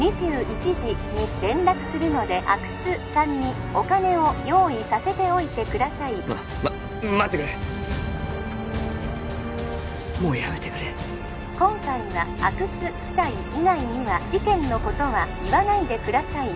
☎２１時に連絡するので☎阿久津さんにお金を用意させておいてくださいまっまっ待ってくれもうやめてくれ☎今回は阿久津夫妻以外には☎事件のことは言わないでください